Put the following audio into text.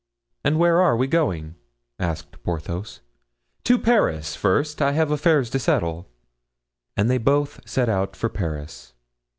"And where are we going?" asked Porthos. "To Paris first; I have affairs to settle." And they both set out for Paris.